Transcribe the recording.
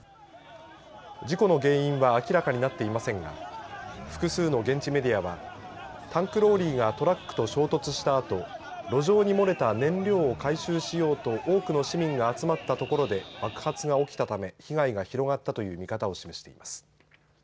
事故の原因は明らかになっていませんが複数の現地メディアはタンクローリーがトラックと衝突したあと路上に漏れた燃料を回収しようと多くの市民が集まったところで爆発が起きたため被害が広がったという見方を示しています。